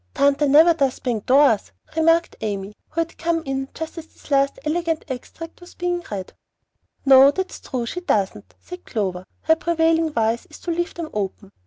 "Tanta never does bang doors," remarked Amy, who had come in as this last "elegant extract" was being read. "No, that's true; she doesn't," said Clover. "Her prevailing vice is to leave them open.